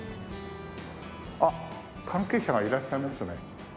あっ関係者がいらっしゃいますね。